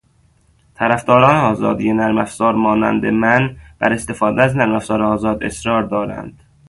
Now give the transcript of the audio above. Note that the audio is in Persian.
طرفداران آزادی نرمافزار مانند من، بر استفاده از نرمافزار آزاد اصرار دارند